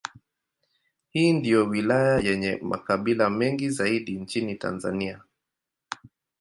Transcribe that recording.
Hii ndiyo wilaya yenye makabila mengi zaidi nchini Tanzania.